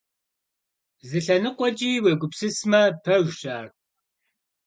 Зы лъэныкъуэкӀи, уегупсысмэ, пэжщ ар.